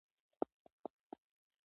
آیا زور د عربي تورو پر سر راځي؟